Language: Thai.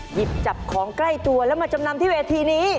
หยิบจับของใกล้ตัวแล้วมาจำนำที่เวทีนี้